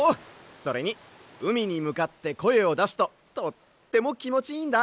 それにうみにむかってこえをだすととってもきもちいいんだ！